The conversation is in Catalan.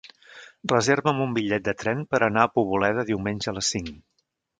Reserva'm un bitllet de tren per anar a Poboleda diumenge a les cinc.